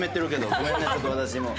ごめんねちょっと私もう。